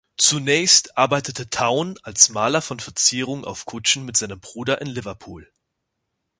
Zunächst arbeitete Town als Maler von Verzierungen auf Kutschen mit seinem Bruder in Liverpool.